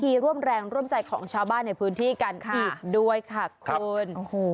ร่วมแรงร่วมใจของชาวบ้านในพื้นที่กันอีกด้วยค่ะคุณ